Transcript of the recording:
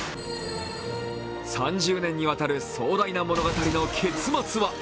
３０年にわたる壮大な物語の結末は。